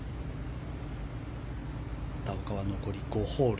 畑岡は残り５ホール。